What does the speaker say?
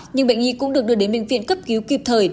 nhưng bệnh nhi cũng được đưa đến bệnh viện cấp cứu kịp thời